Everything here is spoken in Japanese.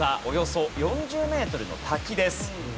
およそ４０メートルの滝です。